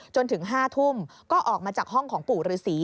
จนถึง๕ทุ่มก็ออกมาจากห้องของปู่ฤษี